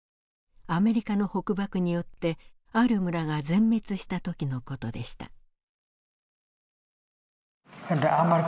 アメリカの北爆によってある村が全滅した時の事でした。